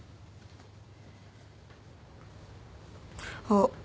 あっ。